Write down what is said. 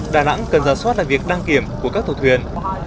đà nẵng cần giả soát là việc đăng kiểm của các thổ thuyền